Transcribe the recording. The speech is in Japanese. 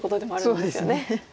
そうですね。